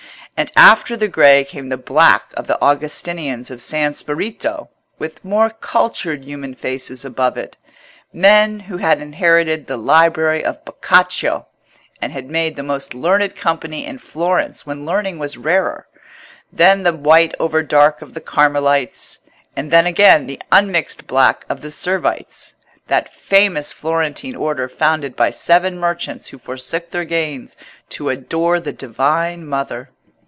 And after the grey came the black of the Augustinians of San Spirito with more cultured human faces above it—men who had inherited the library of Boccaccio, and had made the most learned company in Florence when learning was rarer; then the white over dark of the Carmelites; and then again the unmixed black of the Servites, that famous Florentine order founded by seven merchants who forsook their gains to adore the Divine Mother.